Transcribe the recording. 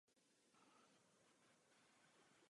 Rovněž napsala písně do různých filmů.